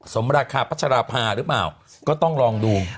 สมราคาพัชราภาหรือเปล่าก็ต้องลองดู